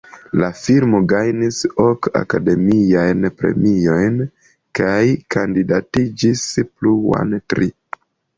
La filmo gajnis ok Akademiajn Premiojn kaj kandidatiĝis pluan tri.